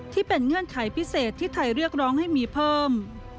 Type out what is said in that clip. เงื่อนไขพิเศษที่ไทยเรียกร้องให้มีเพิ่ม